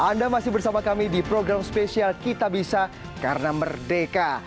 anda masih bersama kami di program spesial kitabisa karena merdeka